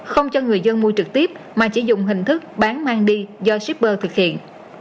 không cho người dân mua trực tiếp mà chỉ dùng hình thức bán mang đi do shipper thực hiện